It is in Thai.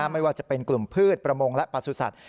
ไม่ว่าจะเป็นกลุ่มพืชประมงและประสุทธิ์